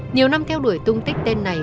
nhiều năm theo đuổi tung tích tên này